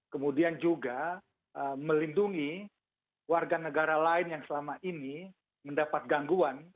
kemudian juga melindungi warga negara lain yang selama ini mendapat gangguan